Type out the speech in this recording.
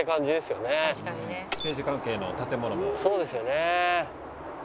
そうですよね。